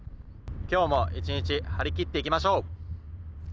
今日も一日張りきっていきましょう。